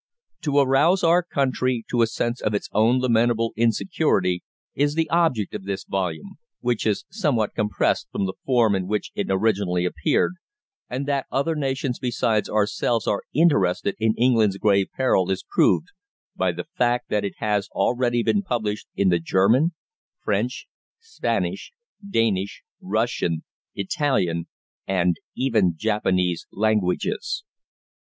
To arouse our country to a sense of its own lamentable insecurity is the object of this volume, which is somewhat compressed from the form in which it originally appeared, and that other nations besides ourselves are interested in England's grave peril is proved by the fact that it has already been published in the German, French, Spanish, Danish, Russian, Italian, and even Japanese languages.